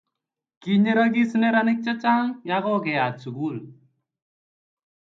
kinyerakis neranik che chang' ya ko kerat sukul